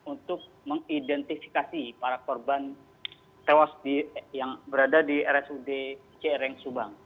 untuk mengidentifikasi para korban tewas yang berada di rsud crn subang